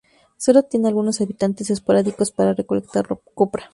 Sólo tiene algunos habitantes esporádicos para recolectar copra.